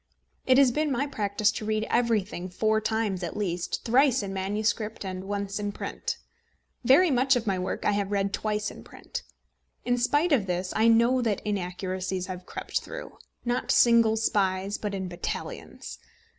It has been my practice to read everything four times at least thrice in manuscript and once in print. Very much of my work I have read twice in print. In spite of this I know that inaccuracies have crept through, not single spies, but in battalions.